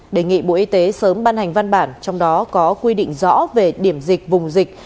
đề nghị bộ y tế sớm ban hành văn bản trong đó có quy định rõ về điểm dịch vùng dịch